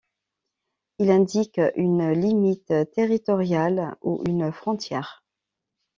Il indique une limite territoriale ou une frontière.